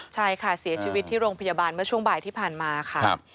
ใช่ค่ะเสียชีวิตที่โรงพยาบาลเมื่อช่วงบ่ายที่ผ่านมาค่ะ